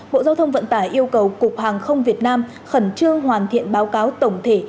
bộ giao thông vận tải yêu cầu cục hàng không việt nam khẩn trương hoàn thiện báo cáo tổng thể